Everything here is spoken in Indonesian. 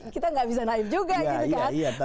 kita gak bisa naib juga